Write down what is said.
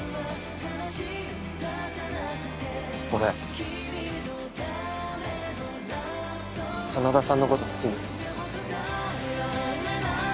俺真田さんの事好きに。